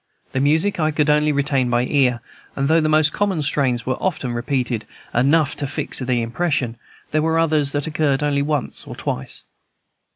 The music I could only retain by ear, and though the more common strains were repeated often enough to fix their impression, there were others that occurred only once or twice.